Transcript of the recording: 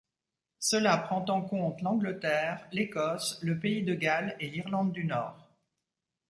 Cela prends en compte l'Angleterre, l'Écosse, le Pays de Galles et l'Irlande du Nord.